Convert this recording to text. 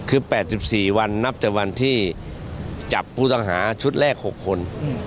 คือ๘๔วันนับแต่วันที่จับผู้ต้องหาชุดแรก๖คน